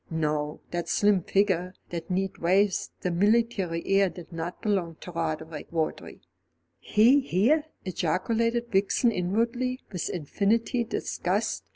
No, that slim figure, that neat waist, that military air did not belong to Roderick Vawdrey. "He here!" ejaculated Vixen inwardly, with infinite disgust.